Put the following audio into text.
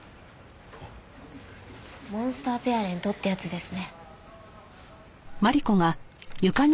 モンスターペアレントってやつですね。